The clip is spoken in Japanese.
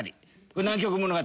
『南極物語』。